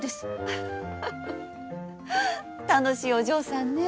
フフッ楽しいお嬢さんね。